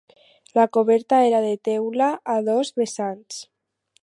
La coberta era de teula a dos vessants.